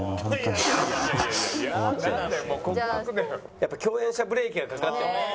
やっぱ共演者ブレーキがかかってますね。